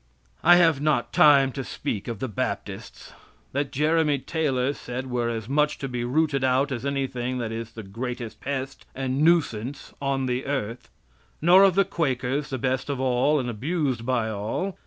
I have not time to speak of the Baptists, that Jeremy Taylor said were as much to be rooted out as anything that is the greatest pest and nuisance on the earth. Nor of the Quakers, the best of all, and abused by all.